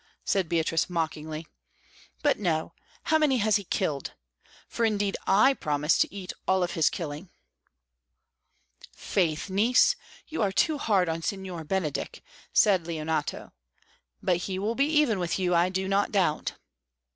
said Beatrice mockingly. "But no, how many has he killed? For, indeed, I promised to eat all of his killing." "Faith, niece, you are too hard on Signor Benedick," said Leonato. "But he will be even with you, I do not doubt."